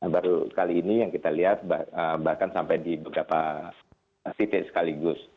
baru kali ini yang kita lihat bahkan sampai di beberapa titik sekaligus